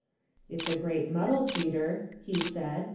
" It's a great muddle, Peter," he said.